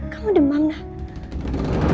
kamu demam nak